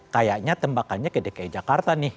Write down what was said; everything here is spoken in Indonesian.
kayaknya tembakannya ke dki jakarta nih